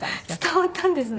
伝わったんですね。